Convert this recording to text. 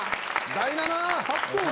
第７！